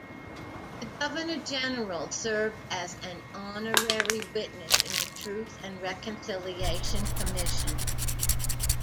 The Governor General served as an honorary witness in the Truth and Reconciliation Commission.